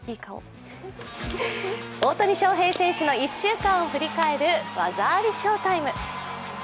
大谷翔平選手の１週間を振り返る「技ありＳＨＯ−ＴＩＭＥ」。